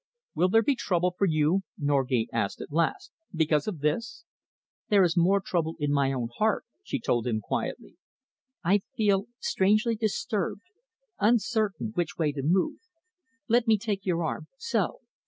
"Will there be trouble for you," Norgate asked at last, "because of this?" "There is more trouble in my own heart," she told him quietly. "I feel strangely disturbed, uncertain which way to move. Let me take your arm so.